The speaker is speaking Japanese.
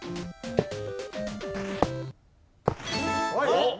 おっ！